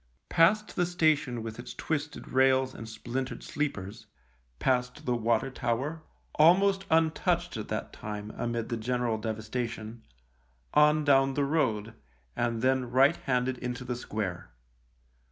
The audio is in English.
Past the station with its twisted rails and splintered sleepers, past the water tower, almost untouched at that time amid the general devastation, on down the road, and then right handed into the square.